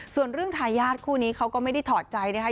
ส่วนเรื่องทายาทคู่นี้เขาก็ไม่ได้ถอดใจนะคะ